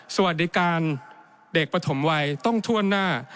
สวัสดีการเด็กปฐมวัยต้องถ้วนหน้า